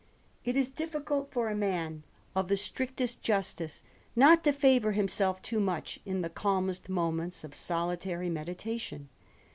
It is difficult for a man of the strictest justice not to favour himself too much, in the calmest moments of solitary meditation.